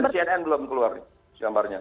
dari cnn belum keluar gambarnya